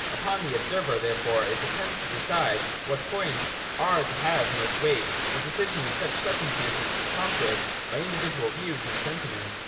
Upon the observer therefore it depends to decide what points are to have most weight. The decision in such circumstances is prompted by his individual views and sen timents.